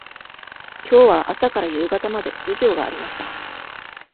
きょうは朝から夕方まで授業がありました。